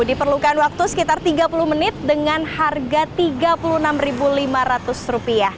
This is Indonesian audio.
diperlukan waktu sekitar tiga puluh menit dengan harga rp tiga puluh enam lima ratus